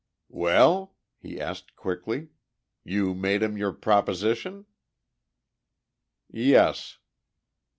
"Well?" he asked quickly. "You made him your proposition?" "Yes."